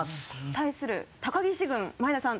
対する高岸軍前田さん